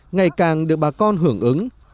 ngày càng được bà con hưởng ứng